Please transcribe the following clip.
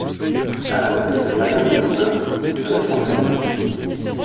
À la fin de sa carrière de joueur, il devient entraîneur.